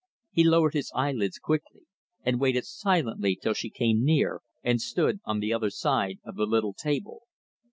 He lowered his eyelids quickly, and waited silently till she came near and stood on the other side of the little table.